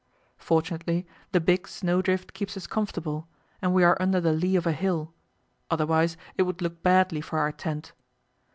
Fortunately the big snow drift keeps us comfortable, and we are under the lee of a hill, otherwise it would look badly for our tent.